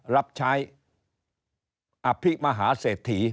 รับใช้อภิมหาเศรษฐี